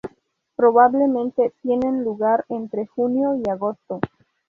Probablemente tiene lugar entre junio y agosto.